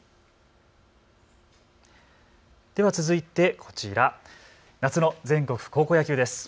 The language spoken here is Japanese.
では続いてこちら、夏の全国高校野球です。